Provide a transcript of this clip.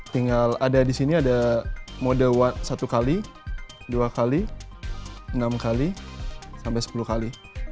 tinggal ada di sini mode satu x dua x enam x sampai sepuluh x